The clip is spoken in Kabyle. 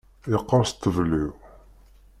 Yeqqerṣ ṭṭbel-iw.